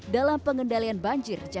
dalam pengendalian banjir jakarta